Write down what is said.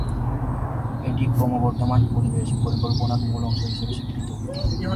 এটি ক্রমবর্ধমান পরিবেশ পরিকল্পনার মূল অংশ হিসাবে স্বীকৃত।